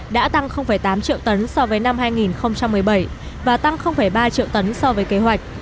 đã tăng tám triệu tấn so với năm hai nghìn một mươi bảy và tăng ba triệu tấn so với kế hoạch